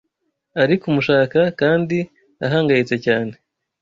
ari kumushaka kandi ahangayitse cyane